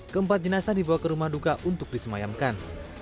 keempat jenazah dibawa ke rumah duka untuk disemayamkan